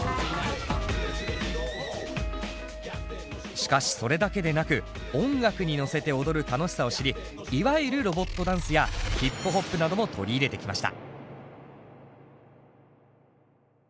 しかしそれだけでなく音楽にのせて踊る楽しさを知りいわゆるロボットダンスやヒップホップなども取り入れてきました。